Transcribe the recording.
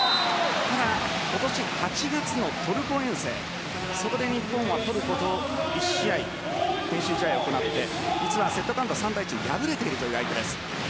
ただ、今年８月のトルコ遠征そこで日本はトルコと１試合練習試合を行ってセットカウント３対１で敗れているという相手です。